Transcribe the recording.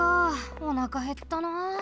おなかへったなあ。